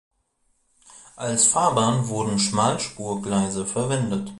Als Fahrbahn wurden Schmalspurgleise verwendet.